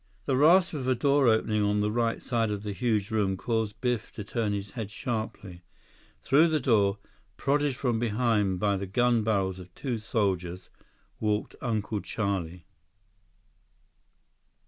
The rasp of a door opening on the right side of the huge room caused Biff to turn his head sharply. Through the door, prodded from behind by the gun barrels of two soldiers, walked Uncle Charlie.